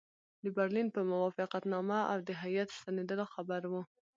د برلین په موافقتنامه او د هیات ستنېدلو خبر وو.